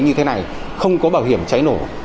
như thế này không có bảo hiểm cháy nổ